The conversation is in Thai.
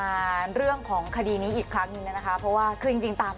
อันดับที่สุดท้าย